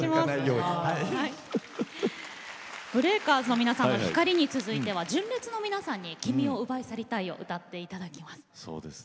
ＢＲＥＡＫＥＲＺの皆さんの「光」に続いては純烈の皆さんに「君を奪い去りたい」を歌って頂きます。